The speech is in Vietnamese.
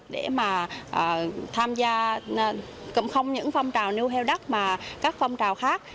để mà tham gia cũng không những phong trào nuôi heo đất mà các phong trào khác